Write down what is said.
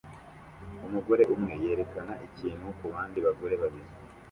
Umugore umwe yerekana ikintu kubandi bagore babiri